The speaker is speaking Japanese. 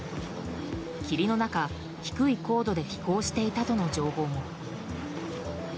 霧の中、低い高度で飛行していたとの情報も。